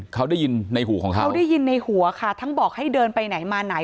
เขาได้ยินในหูของเขาเขาได้ยินในหัวค่ะทั้งบอกให้เดินไปไหนมาไหน